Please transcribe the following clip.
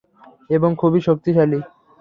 এবং খুবই শক্তিশালী।